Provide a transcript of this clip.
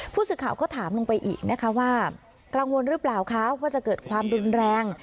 ผู้สื่อข่าวก็ถามลงไปอีกนะคะว่ากังวลหรือเปล่าคะว่าจะเกิดความรุนแรง